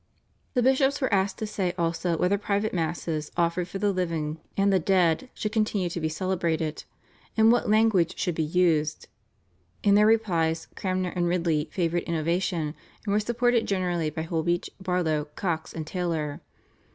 The bishops were asked to say also whether private Masses offered for the living and the dead should continue to be celebrated, and what language should be used. In their replies Cranmer and Ridley favoured innovation, and were supported generally by Holbeach, Barlow, Cox, and Taylor.